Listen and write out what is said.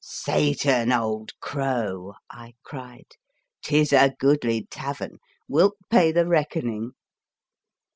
" Satan, old crow," I cried, " 'tis a goodly tavern ; wilt pay the reckoning?"